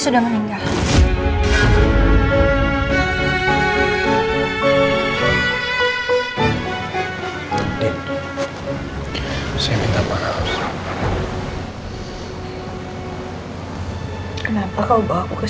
orang suruhan kamu